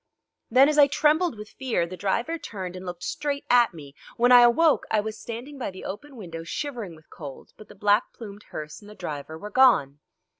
Then, as I trembled with fear, the driver turned and looked straight at me. When I awoke I was standing by the open window shivering with cold, but the black plumed hearse and the driver were gone.